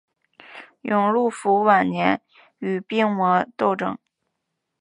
永六辅晚年与病魔奋斗。